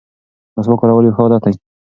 مسواک کارول یو ښه عادت دی.